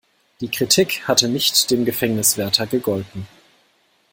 Die Kritik hatte nicht dem Gefängniswärter gegolten.